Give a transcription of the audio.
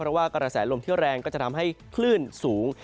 เพราะว่ากระแสลมที่แรงก็จะทำให้คลื่นสูง